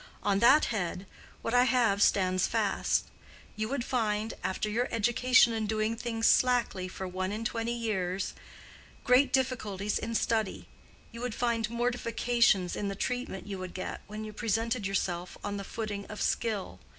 On that head, what I have said stands fast. You would find—after your education in doing things slackly for one and twenty years—great difficulties in study; you would find mortifications in the treatment you would get when you presented yourself on the footing of skill.